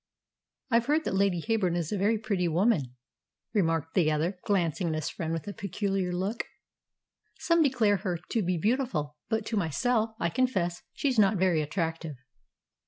"I've heard that Lady Heyburn is a very pretty woman," remarked the other, glancing at his friend with a peculiar look. "Some declare her to be beautiful; but to myself, I confess, she's not very attractive."